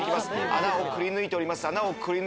穴をくりぬいております。